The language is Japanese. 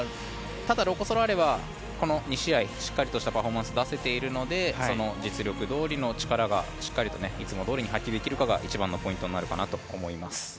ただ、ロコ・ソラーレはこの２試合しっかりしたパフォーマンスを出せているのでその実力どおりの力がしっかりといつもどおりに発揮できるかが一番のポイントになるかなと思います。